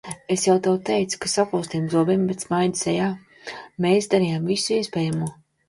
Es jau tev teicu, ka sakostiem zobiem, bet smaidu sejā mēs darījām visu iespējamo.